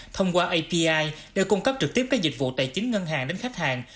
thông qua api để cung cấp trực tiếp các dịch vụ tài chính ngân hàng đến khách hàng